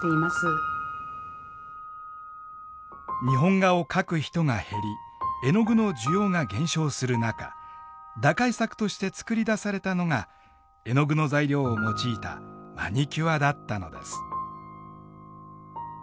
日本画を描く人が減り絵の具の需要が減少する中打開策として作り出されたのが絵の具の材料を用いたマニキュアだったのです。